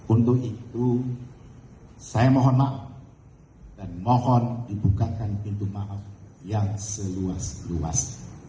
untuk itu saya mohon maaf dan mohon dibukakan pintu maaf yang seluas luas